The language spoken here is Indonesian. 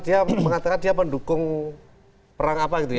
dia mengatakan dia mendukung perang apa gitu ya